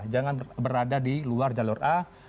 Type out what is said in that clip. jangan berada di luar jalur a